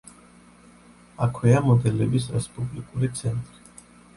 აქვეა მოდელების რესპუბლიკური ცენტრი.